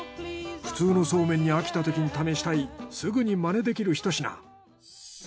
普通のそうめんに飽きたときに試したいすぐにマネできるひと品。